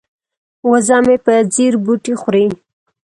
وزه مې په ځیر بوټي خوري.